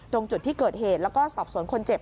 ตรงจุดที่เกิดเหตุแล้วก็สอบสวนคนเจ็บ